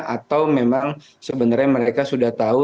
atau memang sebenarnya mereka sudah tahu